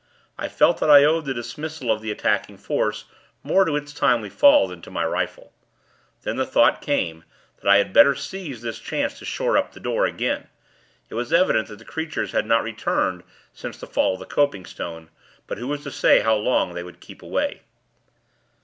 I felt that I owed the dismissal of the attacking force, more to its timely fall than to my rifle. Then the thought came, that I had better seize this chance to shore up the door, again. It was evident that the creatures had not returned since the fall of the copingstone; but who was to say how long they would keep away?